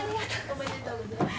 おめでとうございます。